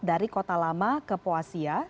dari kota lama ke poasia